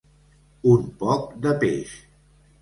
Un poc de peix.